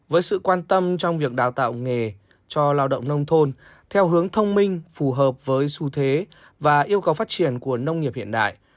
với sự quan tâm trong việc đào tạo nghề cho lao động nông thôn theo hướng thông minh phù hợp với xu thế và yêu cầu phát triển của nông nghiệp hiện đại